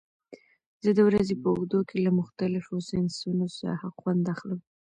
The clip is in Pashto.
زه د ورځې په اوږدو کې له مختلفو سنکسونو څخه خوند اخلم.